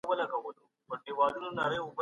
که شعور وي، نو سياسي ثبات به هم وي.